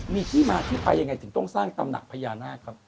มีที่มาที่ไปยังไงถึงต้องสร้างตำหนักพญานาคครับ